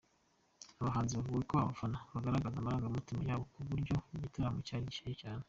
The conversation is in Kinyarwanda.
Abahanzi bavuga ko abafana bagaragazaga amarangamutima yabo ku buryo igitaramo cyari gishyushye cyane.